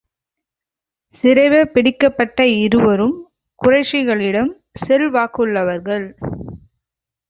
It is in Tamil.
சிறைப பிடிக்கப்பட்ட இருவரும் குறைஷிகளிடம் செல்வாக்குள்ளவர்கள்.